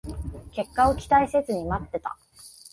結果を期待せずに待ってた